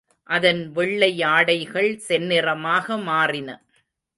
அதன் வெள்ளை யாடைகள் செந்நிறமாக மாறின.